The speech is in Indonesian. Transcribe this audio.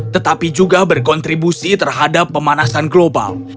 tetapi juga berkontribusi terhadap pemanasan global